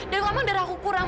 dari lama darahku kurang